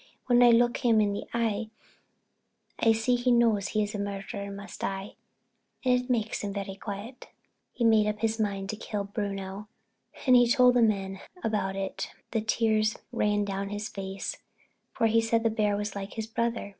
When I look him in the eye I see he knows he is a murderer and must die, and it makes him very quiet." He had made up his mind to kill Bruno. As he told the men about it the tears ran down his face, for he said the bear was like his brother.